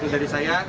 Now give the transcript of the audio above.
itu dari saya